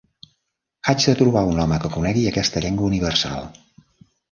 Haig de trobar un home que conegui aquesta llengua universal.